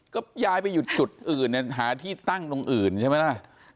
ก็ยายไปอยู่จุดอื่นเนี่ยหาที่ตั้งตรงอื่นใช่ไหมล่ะ